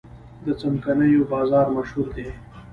د څمکنیو بازار مشهور دی